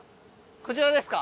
こちらですか？